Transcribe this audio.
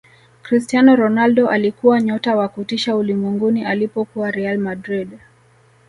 cristiano ronaldo alikuwa nyota wa kutisha ulimwenguni alipokuwa real madrid